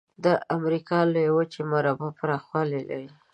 د امریکا لویه وچه مربع پرخوالي لري.